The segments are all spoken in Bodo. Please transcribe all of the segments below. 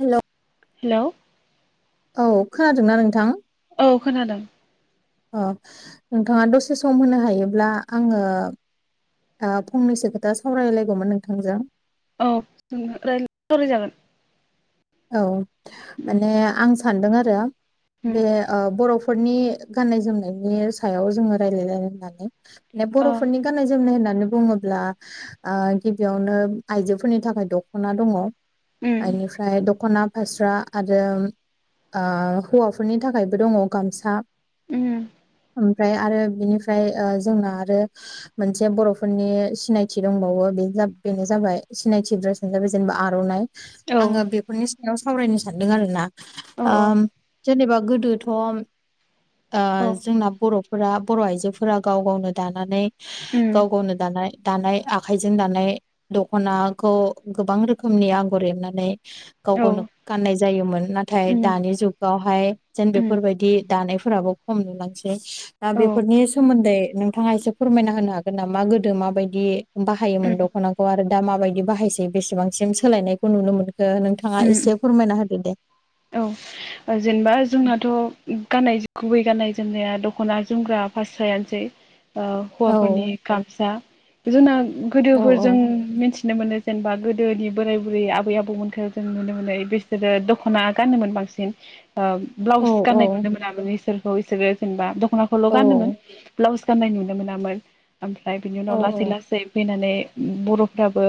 हेलौ हेलौ औ खोनादोंना नोंथां औ खोनादों अ नोंथाङा दसे सम होनो हायोब्ला आङो ओ फंनैसो खोथा सावरायलायगौमोन नोंथांजों। औ [unintelligible] सावरायजागोन औ उम माने आं सानदों आरो बे उम ओ बर' फोरनि गान्नाय- जोमनायनि सायाव जोङो रायलायलायनो होननानै बे अ बर'फोरनि गाननाय - जोमनाय होन नानै बुङोब्ला ओ गिबियावनो आइजोफोरनि थाखाय दखना दङ उम ओनिफ्राय। ख'ना, फास्रा आरो ओ हौवाफोरनि थाखायबो दङ गामसा। उम। ओफ्राय आरो बिनिफ्राय जोंना आरो मोनसे बर'फोरनि सिनायथि दंबावो बे। बेनो जाबाय सिनायथि ब्रासानो जाबाय जेनेबा आरनाइ। औ आंङो बेफोरनि सायाव सावरायनो सानदों आरोना औ ओ औ जेनेबा गोद। दोथम ओ औ जोंना बरफोरा बर आइजोफोरा गाव गावनो दानानै। उम गाव गावनो दानाय। दानाय आखाइजों दानाय दखनाखौ गोबां रोखोमनि आगर एरनानै। गाव औ गावनो गाननाय जायोमोन नाथाय उम दानि जुगावहाय जेन उम बेफोरबायदि दानाय। फोराबो खम नुलांसै दा औ बेफोरनि सोमोन्दै। नोंथाङा एसे फोरमायना होनो हागोन ना मा गोदो माबायदि बाहायोमोन उम दखनाखौ आरो दा माबायदि। बाहायसै बेसेबांसिम सोलायनायखौ नुनो मोनखो नोंथाङा उम एसे फोरमायना होदो दे। औ जेनेबा जोंनाथ गाननाय गुबै। गाननाय जोमनाया दखना जोमग्रा फास्रायानोसै हौवाफोरनि औ गामसा। जोंना औ गोदोफोरजों मिथि। नुनो मोनो जेनेबा गोदोनि बोराय बुरै आबै आबौमोनखौ जों नुनो मोनो बिसोरो दख। खना गानो मोन बांसिन औ ब्लाउस गाननाय औ नुनो मोनामोन इसोरखौ बिसोरो जेनेबा। दखनाखौल औ गानोमोन ब्लाउस गाननाय नुनो मोनामोन ओमफ्राय बिनि औ उनाव लासै लासै फैनानै। बरफ्राबो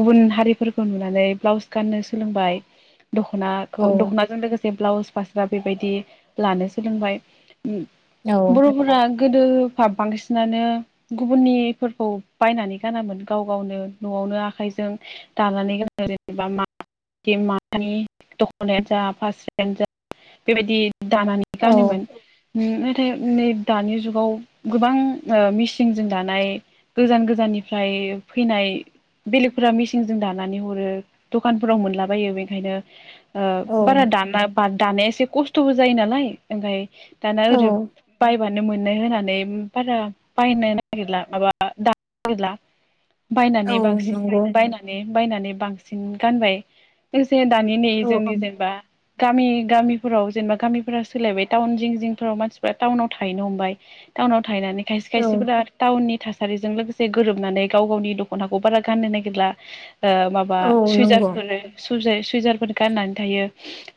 गुबुन हारिफोरखौ नुनानै ब्लाउस गाननो सोलोंबाय। दखनाखौ दखनाजों लोगोसे ब्लाउस फास्रा बेबायदि लानो सोलोंबाय। औ बरफोरा। गोदोफा बांसिनानो गुबुननिफोरखौ बायनानै गानामोन गाव गावनो नआव। आखाइजों दानानै गोनो [unintelligible] खनायानोजा फास्रायानोजा बेबायदि दानानै औ गानोमोन। उम नाथाय नै दानि जुगाव गोबां ओ मिसिंजों दानाय। गोजान गोजाननिफ्राय फैनाय। बेलेगफोरा मेसिनजों दानानै हरो दखानफोराव मोनलाबायो बेखायनो। ओ बारा औ दाना दानाया एसे खस्थबो जायो नालाय ओमफ्राय। दाना ओरै औ बाय। बानो मोननो होनानै बारा बायनो नागिरला माबा दानो नागिरला। औ बायनानै बांसिन नंगौ बायनानै बायनानै बांसिन गानबाय जे दानि नै। औ जोंनि जेनेबा। गामि गामिफोराव जेनेबा गामिफोरा सोलायबाय टाउन जिं जिंफोराव मानसिफोरा टाउनाव थाहैनो हमबाय। टाउनाव थाहैनानै खायसे औ खायसेफोरा टाउननि। थासारिजों लोगोसे गोरोबनानै गाव गावनि दखनाखौ बारा गाननो नागिरला। ओ माबा औ नंगौ सुइजारफोर सुइजारफोर गाननानै थायो।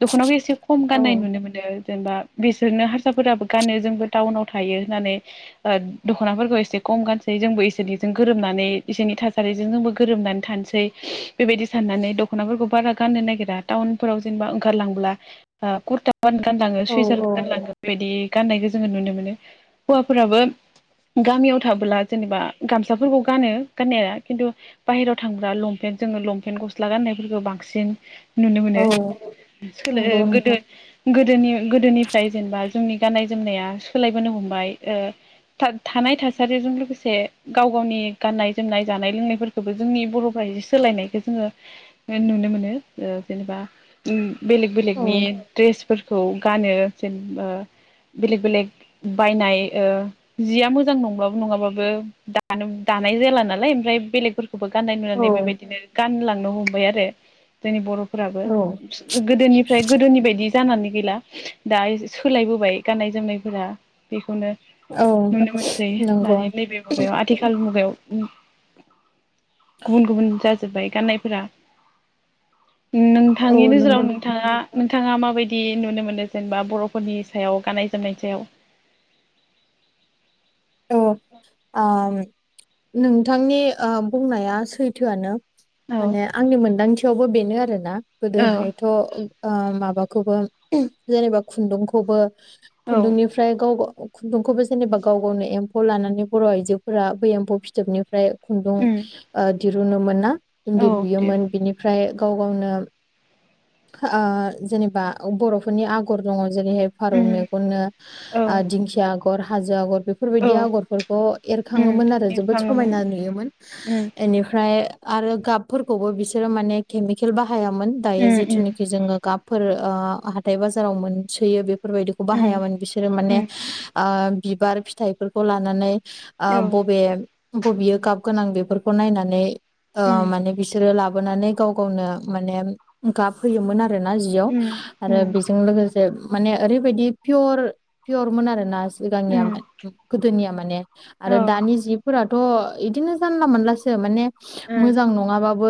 दखनाखोव एसे खम औ गाननाय नुनो मोनो। जेनेबा बिसोरनो हारसाफोराबो गानो जोंबो टाउनाव थायो होननानै दखनाफोरखौ एसे। खम गानसै जोंबो इसोरनिजों गोरोबनानै इसोरनि थासारिजों जोंबो गोरोबनानै थानोसै बेबायदि सानो। नानै दखनाफोरखौ बारा गाननो नागिरा। टाउन फोराव जेनेबा ओंखारलांब्ला कुरथाफोर गानलाङो औ सुवइजार औ गानलाङो बेबायदि। गाननायखौ जोंङो नुनो मोनो हौवाफोराबो। गामियाव थाबोला जेनेबा गामसाफोरखौ गानो गाननाया खिन्थु बाहेराव थांब्ला लंपेन्ट। जोंङो लंपेनन्ट गस्ला गान्नायफोरखौ बांसिन। नुनो औ मोनो नंगौ गोदो नोंथां गोदोनि गोदोनिफ्राय जेनेबा। जोंनि गाननाय जोमनाया सोलायबोनो हमबाय ओ थानाय थासारिजों लोगोसे गाव। गावनि गाननाय जोमनाय जानाय लोंनायफोरखौबो जोंनि बरफ्रा सोलायनायखौ जोंङो नुनो मोनो। ओ जेनेबा बेलेग औ बेलेकनि ड्रेसफोरखौ। गानो जेनबा। बेलेग बेलेग बायनाय ओ जिया मोजां नंबाबो नंङाबाबो दानो दानाय जाला नालाय ओमफ्राय बेलेगफोर। खौबो गाननाय औ नुनानै बेबायदिनो गानलांनो हमबाय आरो जोंनि बर' फोराबो औ गोदोनिफ्राय गोदोनि बायदि जानानै गैला दा एसे सोलायबोबाय गाननाय जोमनायफोरा बेखौनो औ नुनो मोनसै नंगौ दानि नैबे मुगायाव आथिखाल मुगायाव। गुबुन गुबुन जाजोबबाय गाननायफोरा। औ नोंथांनि नोजोराव नंगौ नोंथां नोंथाङा थाङा माबायदि नुनो मोनो जेनेबा बर'फोरनि सायाव गाननाय जोमनायनि सायाव? [inaudible] औ आम नोंथांनि ओ बुंनाया सैथोआनो। औ माने आंनि मोनदांथियावबो बेनो आरोना औ गोदोहायथ' ओ माबा खौबो जेनेबा खुन्दुंखौबो औ खुन्दुंनिफ्राय गावग खुन्दुंखौबो जेनेबा गाव गावनो एम्फौ लानानै बर' आइजोफोरा बे एम्फौ फिथोबनिफ्राय खुन्दुं उम ओ दिरुनो मोन ना इन्दि औ दे लुयोमोन बिनिफ्राय गाव गावनो आ जेनेबा बर'फोरनि आग'र दङ। जेरैहाय फारौ उम मेगननो औ ओ दिंखिया आगर हाजो आगर। औ बेफोरबायदि आगरफोरखौ उम एरखाङोमोन आरो जोबोद एरखाङोमोन समायना नुयोमोन उम एनिफ्राय आरो गाबफोरखौबो बिसोरो माने केमिकेल बाहायामोन दायो उम उम जिथुनाखि जोङो गाब फोर ओ हाथाय बाजाराव मोनसोयो बेफोरबायदिखौ उम बाहायामोन बिसोरो माने उम आ बिबार फिथाइफोरखौ लानानै आ औ बबे बबेयो गाब गोनां बेफोरखौ नायनानै ओ उम माने बिसोरो लाब बोनानै गाव गावनो माने गाब होयोमोन आरो ना जियाव उम आरो उम बेजों लोगोसे ओ माने ओरैबायदि पियर पियरमोन आरो ना सिगांनिया उम मा दोनिया माने आरो औ दानि जिफोराथ' इदिनो जानला मोनलासो माने उम मोजां नङाबाबो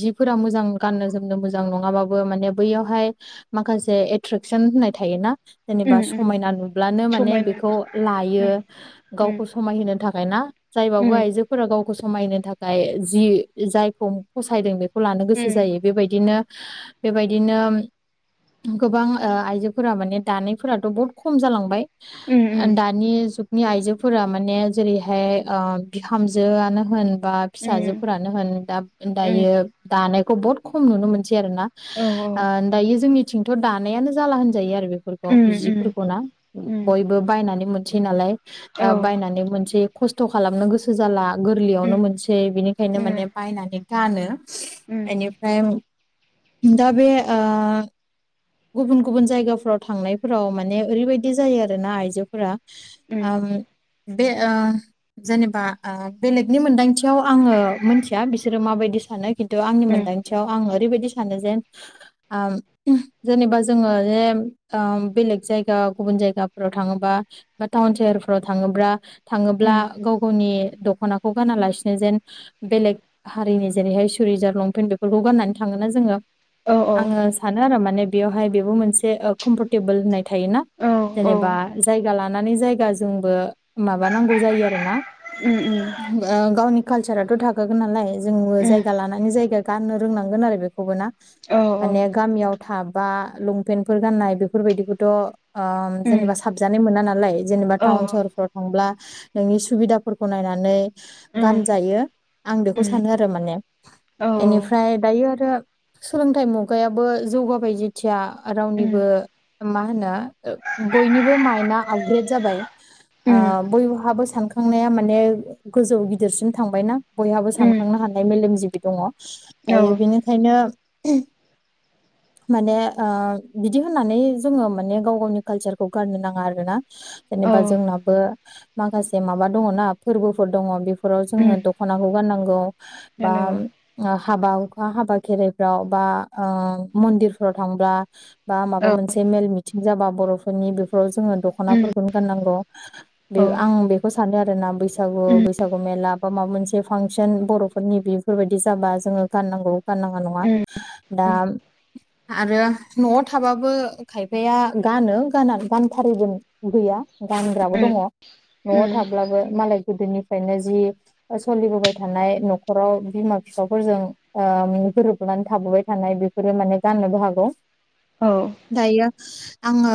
जिफोरा मोजां गाननो जोमनो मोजां नङाबाबो माने बैयावहाय माखासे एट्रेकसन होननाय थायो ना। जेनेबा उम समायना नुब्लानो माने समायना बेखौ लायो उम गावखौ उम समायहोनो थाखाय ना जायबाबो उम आइजोफोरा गावखौ समायनो थाखाय जि जायखौ फसायदों बेख खौ लानो गोसो उम जायो बेबायदिनो बेबायदिनो गोबां ओ आइजोफोरा माने दानायफोराथ' बहुत खम जालांबाय। उम उम। दानि जुगनि आइजोफोरा माने जेरैहाय ओ बिहामजोआनो होन बा उम फिसाजोफोरानो होन दा उम दायो दानायखौ बहुत खम नुनो मोन सै आरोना औ ओ दायो जोंनिथिंथ दानायानो जाला होन जायो आरो बेफोरखौ उम उम जिफोरखौ ना उम बयबो बायनानै मोनसै नालाय। दा औ बायनानै मोनसै खस्थ' खालामनो गोसो जाला। उम गोरलैयावनो मोनसै बिनिखायनो उम माने बायनानै गानो उम एनिफ्राय दा बे ओ गुबुन गुबुन जायगाफोराव थांनायफोराव माने ओरैबायदि जायो आरोना आइजोफोरा उम आम बे ओ जेनेबा आ बेलेगनि मोनदांथियाव आङो मोनथिया बिसोरो माबायदि सानो। खिन्थु आंनि उम मोनदांथियाव आं ओरैबायदि सानो जेन ओम जेनेबा जोङो एम ओम बेलेग जायगा गुबुन जायगाफोराव थाङोबा बा टाउन सहेर फ्राव थाङोब्रा थाङोब्ला उम गाव गावनि दखनाखौ गानालासिनो जेन बेलेग हारिनि जेरैहाय सुरिजार लंपेन्ट बेफोरखौ गाननानै थाङो ना जोङो औ आङो सानो आरो माने बेयावहाय बेबो मोनसे ओ कमफर्टेबोल होननाय थायोना औ औ जेनेबा जायगा लानानै जायगा जोंबो माबानांगौ जायो आरो ना। उम उम आ गावनि कालसाराथ' थाखागोन नालाय जोंबो उम जायगा लानानै जायगा गाननो रोंनांगोन आरो बेखौबो ना औ माने गामियाव थाब बा लंपेन्टफोर गान्नाय बेफोरबायदिखौथ' ओ उम जेनेबा साबजानाय मोना नालाय। जेनेबा औ उम टाउन सहरफ्राव थांब्ला नोंनि सुबिदाफोरखौ नायनानै उम औ उम गानजायो आं बेखौ सानो आरो माने ओनिफ्राय दायो आरो सोलोंथाइ मुगायाबो जौगाबायदि मथिया रावनिबो मा होनो बयनिबो माइन्डआ आपग्रेड जाबाय। ओ बयहाबो सानखांनाया माने गोजौ गिदिरसिम थांबायना बयहाबो उम सानखांनो हानाय मेलेमजिबि दङ औ दायो बेनिखायनो उम। माने ओ बिदि होननानै जोङो माने गाव गावनि कालसारखौ गारनो नाङा आरोना जेनेबा औ जोंनाबो माखासे मबा दङना फोरबोफोर दङ बेफोराव जोङो उम दख'नाखौ गाननांगौ बा जानांगौ हाबा बा हाबा खेराइफ्राव बा ओ मन्दिरफोराव थांब्ला बा माबा औ मोनसे मेल मिथिं जाबा बर'फोरनि बेफोराव जोङो उम दख'नाफोरखौनो गाननांगौ बे औ आं बेखौ सानो आरोना बैसागु उम बैसागु मेला बा माबा मोनसे मोनसे फांसन बर'फोरनि बेफोरबायदि जाबा जोङो गाननांगौ गाननाङा नङा उम दा [unintelligible] आरो न'आव थाबाबो खायफाया गानो गाना गानथारैबो गैया गानग्राबो दङ न'आव थाब्लाबो मालाय गोदोनिफ्रायनो जि सोलिबोबाय थानाय न'खराव बिमा फिसाफोरजों ओ गोरोबनानै थाबोबाय थानाय बेफोरो माने गाननोबो हागौ औ दायो आङो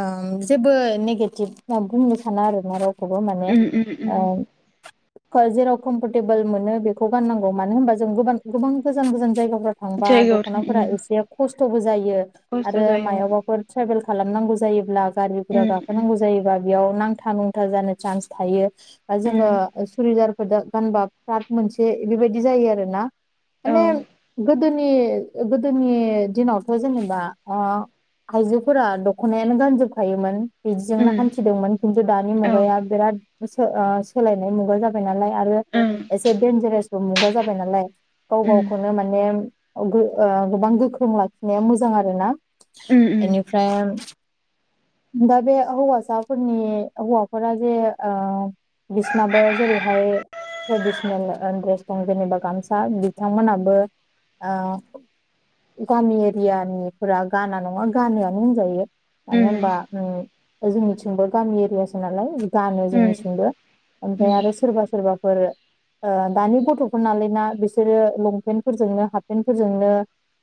ओ जेबो नेगेटिभ होनना बुंनो सानो आरोना रावखौबो बो माने उम उम उम ओ जेराव कम्फरटेबोल मोनो बेखौ गाननांगौ मानो होमबा जोंबो गोबां गोजान गोजान जायगाफ्राव थांबा जायगायाव थां दख'नाफोरा उम एसे खस्थ'बो जायो खस्थ' आरो जायो मायावबाफोर ट्रेभेल खालामनांगौ जायोब्ला गारि गुरा उम उम गाखोनांगौ जायोबा बेयाव नांग नांथा नुंथा जानो चान्स थायो बा उम जोङो सुरिदार फोरा गानबा फ्राद मोनसे बेबायदि जायो आरोना औ माने गोदोनि गोदोनि दिनावथ' जेनेबा ओ आइजोफोरा दख'नायानो गानजोबखायोमोन बिदिजोंनो उम हान्थिदोंमोन खिन्थु दानि औ मुगाया बिराद ओ सोलायनाय मुगा जाबाय नालाय आरो उम एसे देनजारेस्ट मुगा जाबाय नालाय गाव उम गावखौनो माने ओ गोबां गो लाखिनाया मोजां आरोना उम उम ओनिफ्राय दा बे हौवासाफोरनि हौवाफोरा जे ओ बिसनाबो जेरैहाय ट्रेडिसनेल ओ ड्रेस दं जेनेबा गामसा बिथांमोनाबो औ गामि एरियानिफोरा गाना नङा गानैआनो होनजायो मानो होनबा उम जोंनिथिंबो गामि एरियासो नालाय गानो उम जोंनिथिंबो ओमफ्राय उम आरो सोरबा सोरबाफोर ओ दानि गथ'फोर नालाय ना बिसोरो लंपेन्टफोरजोंनो हाफपेन्टफोरजोंनो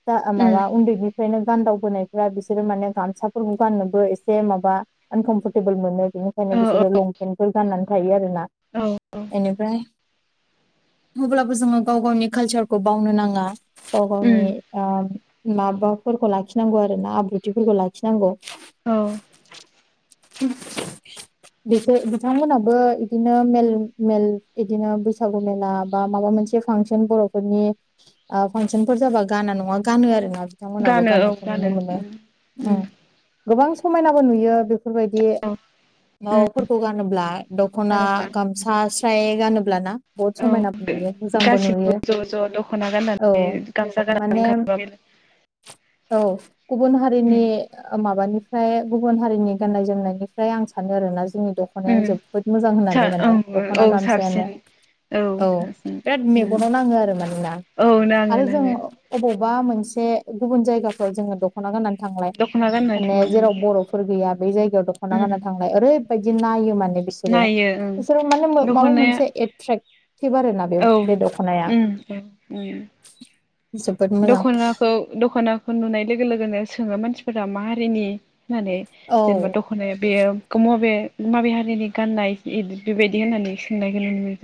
दा आ उम माबा उन्दै उन्दैनिफ्रायनो गानदावबोनायफ्रा बिसोरो माने गामसाफोरखौ गाननोबो एसे माबा आनकमफर्टेबोल मोनो बेनिखायनो औ औ बिसोरो लंपेन्टफोर गाननानै थायो आरोना औ औ ओनिफ्राय अब्लाबो जोङो गाव गावनि कालचारखौ बावनो नाङा गाव गावनि उम ओ माबाफोरखौ लाखिनांगौ आरोना आब्रुथिफोरखौ लाखिनांगौ। औ। [unintelligible] बिसोर बिथांमोनाबो बिदिनो मेल मेल बिदिनो बैसागु मेला बा माबा मा मोनसे फांसन बर'फोरनि फांसन फोर जाबा गाना नङा गानो आरोना। बिथांमोनहाबो गानो औ गाननायखौ नुनो गानो मोनो उम उम ओह गोबां समायनाबो नुयो बे बेफोरबायदि औ उम माबाफोरखौ गानोब्ला दख'ना गानोब्ला गामसा स्राइ गानोब्लाना बहुत औ समायनाबो नुयो मोजांबो गासिबो नुयो ज' ज' दख'ना औ गाननानै गामसा गाननानै माने ओंखारबा औ गुबुन हारिनि उम माबानिफ्राय गुबुन हारिनि गाननाय जोमनायनिफ्राय आं सानो आरोना जोंनि दख'नायानो उम जोबोद मोजां सा होननानै माने ओं औ दख'ना साबसिन गामसायानो औ साबसिन बिराद उम मेगनाव नाङो आरो मानोना औ नाङो आरो जों नाङो बबेबा मोनसे गुबुन जायगाफ्राव जोङो दख'ना गाननानै थांलाय दख'ना गानना माने थांबा उम जेराव बर'फोर गैया बेै जायगायाव दख'ना उम गानना थांलाय ओरै बिदि नायो माने बिसोरो नायो ओं बिसोरो माने माबा दख'नाया मोनसे एट्रेकटिभ आरो ना बे औ बे दख'नाया उम औ उम जोबोद मोजां दखनाखौ दख'नाखौ नुनाय लोगो लोगोनो सोङो मानसिफोरा मा हारिनि होननानै औ जेनेबा दख'नाया बेयो गोम बे माबे हारिनि गान्नाय एदि बेबायदि होननानै सोंनायखौ नुनो मोनो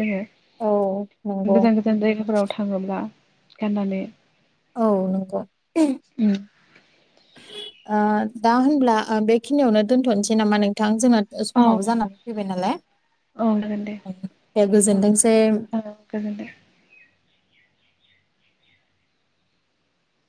औ जोङो नंगौ गोजान गोजान जायगाफोराव थाङोब्ला गाननानै औ नंगौ उम ओह दा होनब्ला बेखिनियावनो दोनथ'नोसै नामा नोंथां जोंना औ समाबो जानानै फैबाय नालाय औ जागोन दे दे औ गोजोनदोंसै औ गोजोनथों